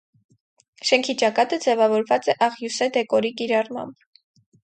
Շենքի ճակատը ձևավորված է աղյուսե դեկորի կիրառմամբ։